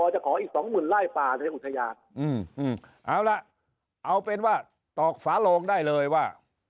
จะขออีกสองหมื่นไล่ป่าในอุทยานเอาล่ะเอาเป็นว่าตอกฝาโลงได้เลยว่า